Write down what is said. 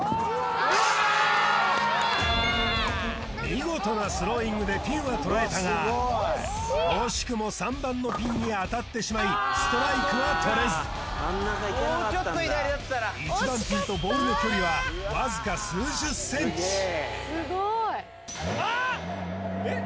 見事なスローイングでピンは捉えたが惜しくも３番のピンに当たってしまいストライクは取れず１番ピンとボールの距離はわずか数十センチえっ？